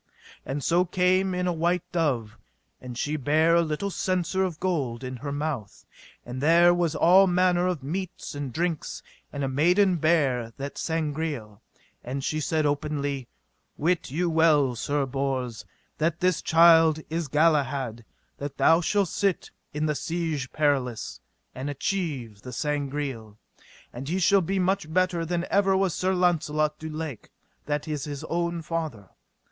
And so came in a white dove, and she bare a little censer of gold in her mouth, and there was all manner of meats and drinks; and a maiden bare that Sangreal, and she said openly: Wit you well, Sir Bors, that this child is Galahad, that shall sit in the Siege Perilous, and achieve the Sangreal, and he shall be much better than ever was Sir Launcelot du Lake, that is his own father.